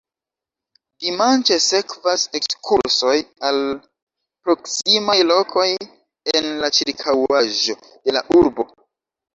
Dimanĉe sekvas ekskursoj al proksimaj lokoj en la ĉirkaŭaĵo de la urbo.